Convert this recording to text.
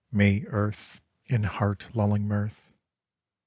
May Earth, in heart lulling mirth.